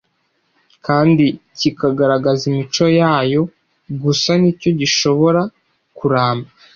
kandi kikagaragaza imico yayo gusa ni cyo gishobora kuramba